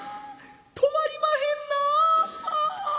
止まりまへんな」。